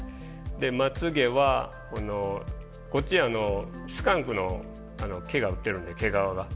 でまつげはこっちはスカンクの毛が売ってるんで毛皮が。